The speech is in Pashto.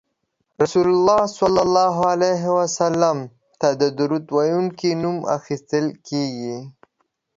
رسول الله ته د درود ویونکي نوم اخیستل کیږي